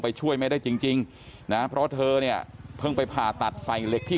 ช่วยไม่ได้จริงจริงนะเพราะเธอเนี่ยเพิ่งไปผ่าตัดใส่เหล็กที่